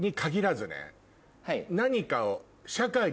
何かを。